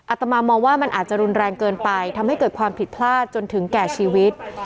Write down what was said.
ตมามองว่ามันอาจจะรุนแรงเกินไปทำให้เกิดความผิดพลาดจนถึงแก่ชีวิต